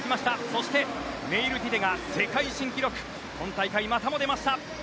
そしてメイルティテが世界新記録今大会またも出ました。